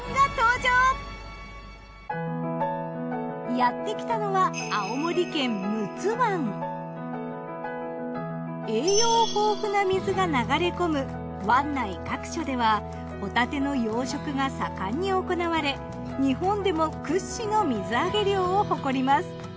やってきたのは栄養豊富な水が流れ込む湾内各所ではホタテの養殖が盛んに行われ日本でも屈指の水揚げ量を誇ります。